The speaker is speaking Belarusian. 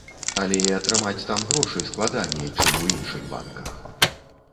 Але і атрымаць там грошы складаней, чым у іншых банках.